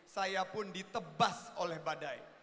saya pun ditebas oleh badai